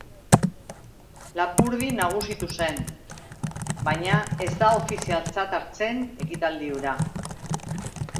Lapurdi nagusitu zen baina ez da ofizialtzat hartzen ekitaldi hura.